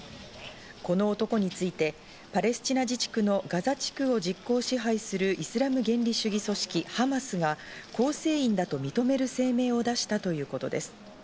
この男についてパレスチナ自治区のガザ地区を実効支配する、イスラム原理主義組織ハマスが構成員だと認める声明を出したということです。